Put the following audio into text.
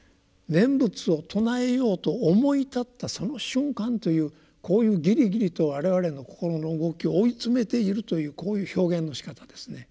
念仏を称えようと思い立ったその瞬間というこういうぎりぎりと我々の心の動きを追い詰めているというこういう表現のしかたですね。